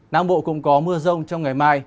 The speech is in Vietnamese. năng bộ cũng có mưa rông trong ngày mai